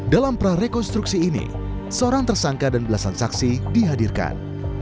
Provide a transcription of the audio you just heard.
dalam prarekonstruksi ini seorang tersangka dan belasan saksi dihadirkan